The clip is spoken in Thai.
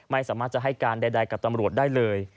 ไม่สามารถจะให้การใดกับตำรวจได้เลย